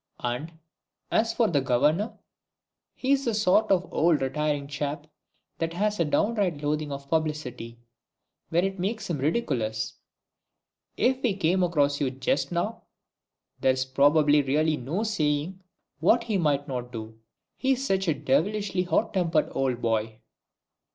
And, as for the Governor, he's the sort of old retiring chap that has a downright loathing of publicity, when it makes him ridiculous. If he came across you just now, there's really no saying what he mightn't do. He's such a devilishly hot tempered old boy!"